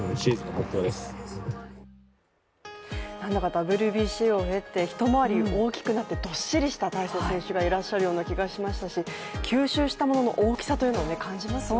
ＷＢＣを経て一回り大きくなって、どっしりした大勢選手がいらっしゃるような気がしましたし吸収したものの大きさというのを感じますよね。